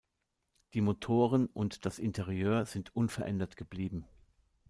Die Motoren und das Interieur sind unverändert geblieben.